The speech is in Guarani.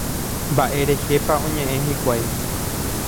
Mba'e rehépa oñe'ẽ hikuái.